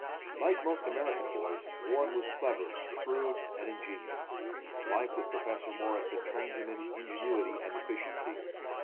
Like most American boys, Warren was clever, shrewd and ingenious. Life with Professor Morris had trained him in ingenuity and efficiency.